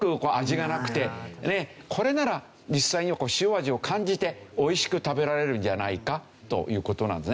これなら実際に塩味を感じて美味しく食べられるんじゃないかという事なんですね。